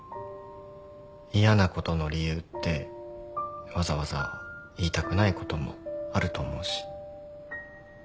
嫌なことの理由ってわざわざ言いたくないこともあると思うし。